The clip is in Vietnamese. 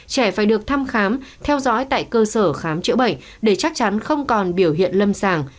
trẻ phải được thăm khám theo dõi tại cơ sở khám chữa bệnh để chắc chắn không còn biểu hiện lâm sàng